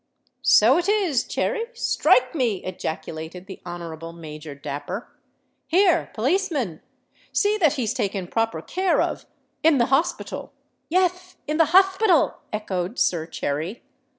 "So it is, Cherry—strike me!" ejaculated the Honourable Major Dapper. "Here, policeman! see that he's taken proper care of—in the hospital——" "Yeth—in the hothpital," echoed Sir Cherry.